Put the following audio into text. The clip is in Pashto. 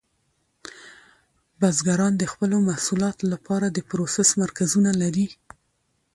بزګران د خپلو محصولاتو لپاره د پروسس مرکزونه لري.